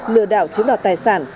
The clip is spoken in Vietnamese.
lừa đảo chiếm đoạt tài sản